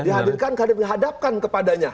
dihadirkan kehadirkan dihadapkan kepadanya